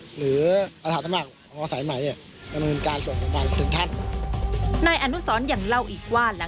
หรืออธรรมหากศัพท์ใหม่